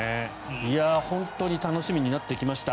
本当に楽しみになってきました。